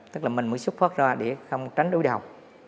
tức là mình mới xuất phát ra để không tránh đối đầu